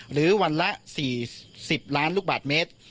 หรือวันละ๔๐ล้านลูกบาทเมตร